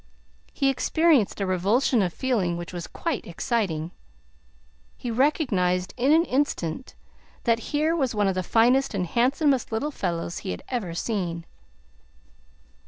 He experienced a revulsion of feeling which was quite exciting. He recognized in an instant that here was one of the finest and handsomest little fellows he had ever seen.